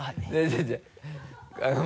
違う違う。